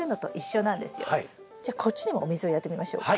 じゃあこっちにもお水をやってみましょうか。